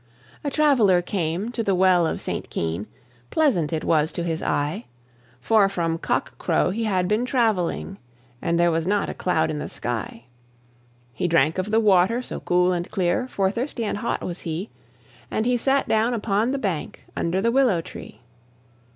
A traveller came to the Well of St. Keyne: Pleasant it was to his eye, For from cock crow he had been travelling And there was not a cloud in the sky. He drank of the water so cool and clear, For thirsty and hot was he, And he sat down upon the bank, Under the willow tree.